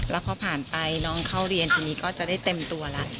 แล้วพอผ่านไปน้องเข้าเรียนทีนี้ก็จะได้เต็มตัวแล้ว